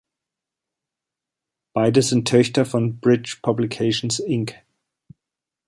Beide sind Töchter von "Bridge Publications, Inc.